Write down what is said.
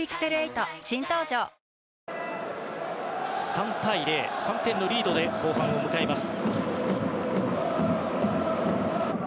３対０、３点のリードで後半を迎えます。